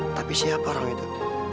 tapi siapa orang itu